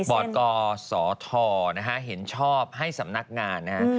กศธนะฮะเห็นชอบให้สำนักงานนะฮะ